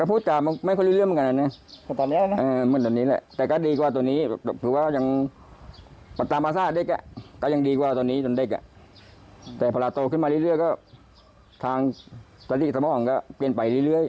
อือช่วงแม่กดสักกลา